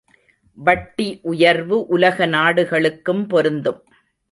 வட்டி உயர்வு உலக நாடுகளுக்கும் பொருந்தும்.